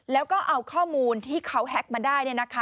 แล้วก็เอาข้อมูลที่เขาแฮ็กมาได้